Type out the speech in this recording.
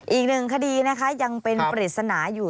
อีกหนึ่งคดีนะคะยังเป็นปริศนาอยู่